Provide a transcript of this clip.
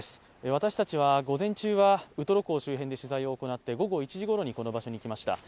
私たちは午前中はウトロ港周辺で取材を行って午後１時ごろにこの場所に来ました